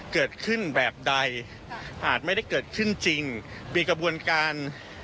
เกิดขึ้นแบบใดอาจไม่ได้เกิดขึ้นจริงมีกระบวนการ